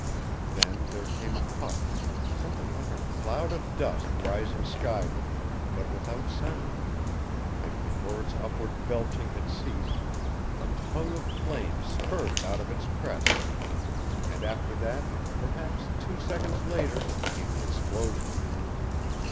Then there came a puff, something like a cloud of dust rising skyward, but without sound; and before its upward belching had ceased a tongue of flame spurted out of its crest and after that, perhaps two seconds later, came the explosion.